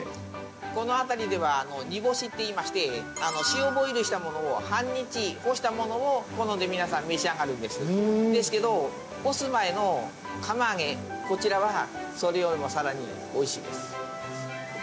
この辺りでは煮干しっていいまして塩ボイルしたものを半日干したものを好んで皆さん召し上がられるんですけど干す前の釜揚げ日持ちは全然短いんですけど。